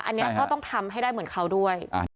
อันนี้ก็ต้องทำให้ได้เหมือนเขาด้วย